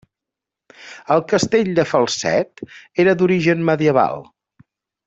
El Castell de Falset era d'origen medieval.